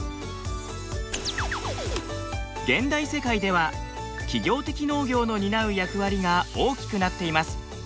現代世界では企業的農業の担う役割が大きくなってます。